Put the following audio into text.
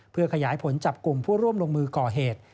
เพื่อขยายผลจับกลุ่มผู้ร่วมลงมือก่อเหตุ